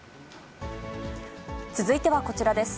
続いてはこちらです。